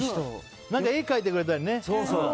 絵描いてくれたりね。